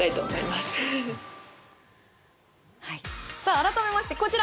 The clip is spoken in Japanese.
改めまして、こちら。